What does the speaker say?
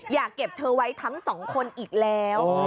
อย่าเก็บเธอไว้ทั้งสองคนอีกแล้ว